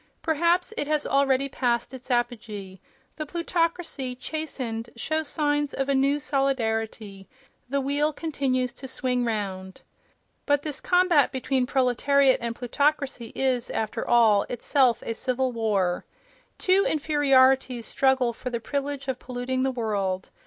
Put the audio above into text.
Perhaps it has already passed its apogee; the plutocracy, chastened, shows signs of a new solidarity; the wheel continues to swing 'round. But this combat between proletariat and plutocracy is, after all, itself a civil war. Two inferiorities struggle for the privilege of polluting the world.